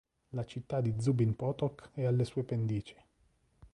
La città di Zubin Potok è alle sue pendici.